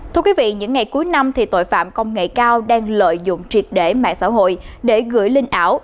thưa quý vị những ngày cuối năm thì tội phạm công nghệ cao đang lợi dụng triệt để mạng xã hội để gửi lên ảo